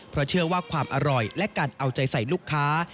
เพราะเชื่อว่าความอร่อยและการเอาใจใส่ลูกค้า